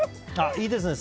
いいですね